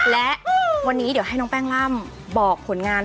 และวันนี้เดี๋ยวให้น้องแป้งล่ำบอกผลงาน